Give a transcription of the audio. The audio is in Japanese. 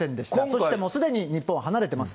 そしてすでにもう日本を離れています。